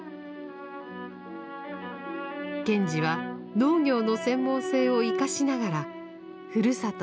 賢治は農業の専門性を生かしながらふるさと